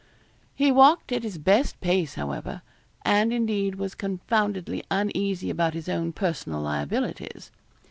He walked at his best pace, however, and indeed was confoundedly uneasy about his own personal liabilities.